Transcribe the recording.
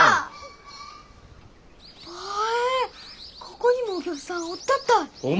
ここにもお客さんおったったい。